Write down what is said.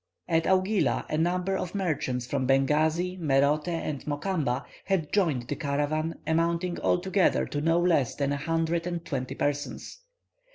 At Augila a number of merchants from Bengasi, Merote, and Mokamba had joined the caravan, amounting altogether to no less than a hundred and twenty persons.